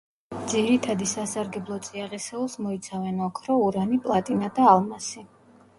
ძირითადი სასარგებლო წიაღისეულს მოიცავენ ოქრო, ურანი, პლატინა და ალმასი.